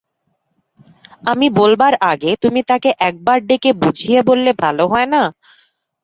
আমি বলবার আগে তুমি তাকে একবার ডেকে বুঝিয়ে বললে ভালো হয় না?